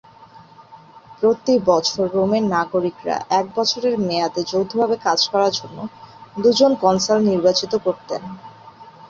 প্রতি বছর, রোমের নাগরিকরা এক বছরের মেয়াদে যৌথভাবে কাজ করার জন্য দুজন কনসাল নির্বাচিত করতেন।